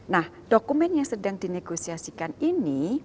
nah dokumen yang sedang dinegosiasikan ini